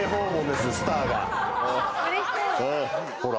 ほら。